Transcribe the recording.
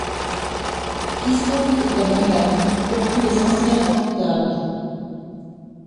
Christophe est un maniaque, comme tous les anciens comptables.